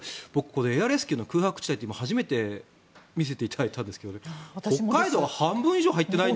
エアレスキューの空白地帯初めて見せていただいたんですが北海道は半分以上入っていない。